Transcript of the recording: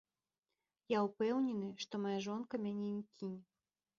Я ўпэўнены, што мая жонка мяне не кіне.